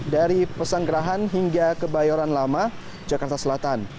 dari pesanggerahan hingga kebayoran lama jakarta selatan